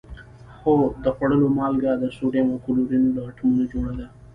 هو د خوړلو مالګه د سوډیم او کلورین له اتومونو جوړه ده